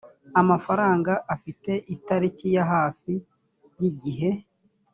amafaranga afite itariki ya hafi y igihe